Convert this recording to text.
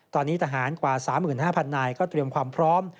ตอนนี้ทหารกว่า๓๕๐๐นายก็เตรียมความพร้อม